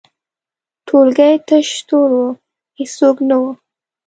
ټولګی تش تور و، هیڅوک نه وو.